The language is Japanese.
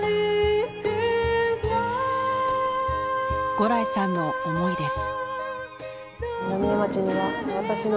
牛来さんの思いです。